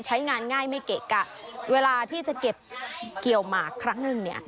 ใช้งานง่ายไม่เกะกะเวลาที่จะเก็บเกี่ยวหมากครั้งนึงเนี่ย